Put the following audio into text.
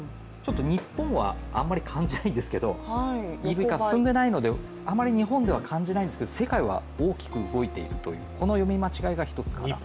日本はあんまり感じないんですけどＥＶ化進んでないのであまり日本では感じないんですけど、世界は大きく動いているというこの読み間違いがあると思います。